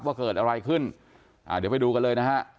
ว่าเกิดอะไรขึ้นอ่าเดี๋ยวไปดูกันเลยนะฮะ